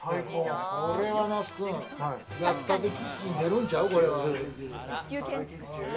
これは那須君、やったぜキッチンでるんちゃう？